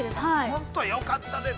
◆本当、よかったです。